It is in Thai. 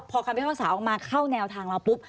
พอคำพิพากษาออกมาเข้าแนวทางเราปุ๊บ